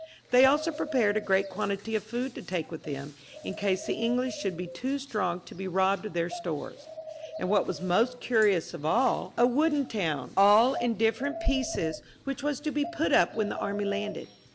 They also prepared a great quantity XXVIII.] CHARLES VL 187 of food to take with them, in case the English should be too strong to be robbed of their stores ; and what was most curious of all, a wooden town, all" in different pieces, which was to be put up when the army landed.